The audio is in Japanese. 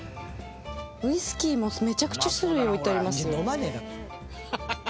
ウイスキーも、めちゃくちゃ種類置いてありますよ。